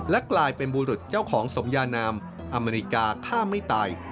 และกลายเป็นบุรุษเจ้าของสมยานามอเมริกาฆ่าไม่ตาย